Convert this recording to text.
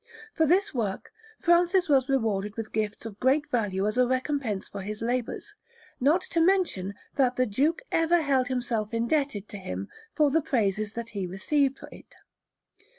For this work Francia was rewarded with gifts of great value as a recompense for his labours, not to mention that the Duke ever held himself indebted to him for the praises that he received for it.